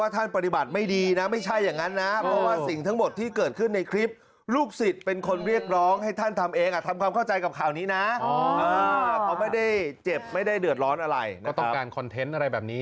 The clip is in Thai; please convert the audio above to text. อาจารย์ครีมยังบอกด้วยว่าปกติจะไปทำบุญที่วัดนี้ทุก๓๔เดือน